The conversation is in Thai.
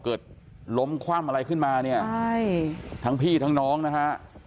เกิดล้มคว่ำอะไรขึ้นมาเนี่ยใช่ทั้งพี่ทั้งน้องนะฮะ